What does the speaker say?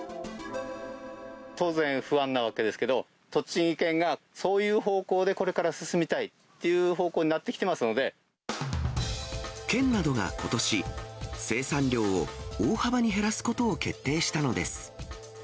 当然、不安なわけですけど、栃木県がそういう方向でこれから進みたいっていう方向になってき県などがことし、生産量を大幅に減らすことを決定したのです。